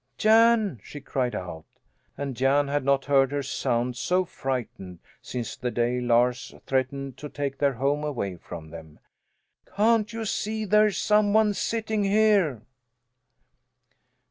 "Jan!" she cried out. And Jan had not heard her sound so frightened since the day Lars threatened to take their home away from them. "Can't you see there's some one sitting here?"